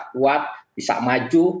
kuat bisa maju